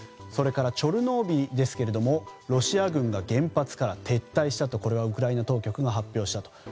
それからチョルノービリですがロシア軍が原発から撤退したとこれはウクライナ当局が発表したと。